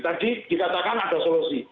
tadi dikatakan ada solusi